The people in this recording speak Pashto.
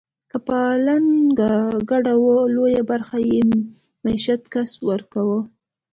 که پانګه ګډه وه لویه برخه یې مېشت کس ورکوله